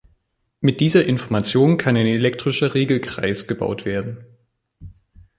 Mit dieser Information kann ein elektrischer Regelkreis gebaut werden.